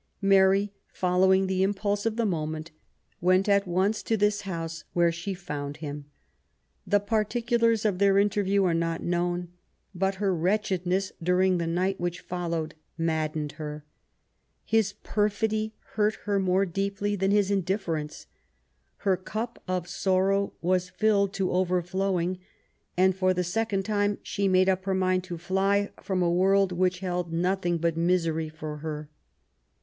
Mary, following the im pulse of the moment, went at once to this house, where she found him. The particulars of their interview are not known; but her wretchedness during the night which followed maddened her. His perfidy hurt her more deeply than his indifference. Her cup of sorrow was filled to overflowing, and for the second time she made up her mind to fly from a world which held nothing but misery for her.